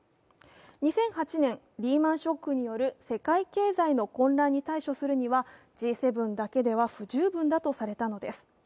２００８年、リーマン・ショックによる世界経済の混乱に対処するにはＧ７だけでは不十分だとされたのです。